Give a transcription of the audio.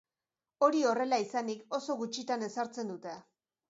Hori horrela izanik, oso gutxitan ezartzen dute.